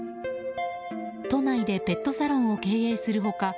都内でペットサロンを経営する他